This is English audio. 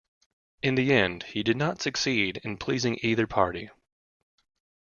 In the end, he did not succeed in pleasing either party.